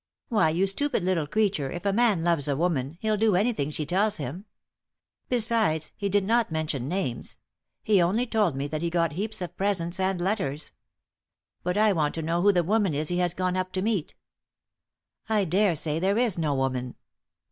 Why, you stupid little creature if a man loves a woman, he'll do anything she tells him. Besides, he did not mention names; he only told me that he got heaps of presents and letters. But I want to know who the woman is he has gone up to meet." "I daresay there is no woman."